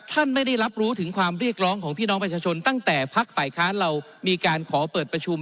ท่านไม่ได้รับรู้ถึงความเรียกร้องของพี่น้องประชาชนตั้งแต่พักฝ่ายค้านเรามีการขอเปิดประชุม